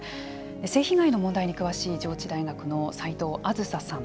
性被害についてに詳しい上智大学の齋藤梓さん